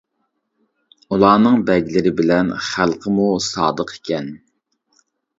ئۇلارنىڭ بەگلىرى بىلەن خەلقىمۇ سادىق ئىكەن.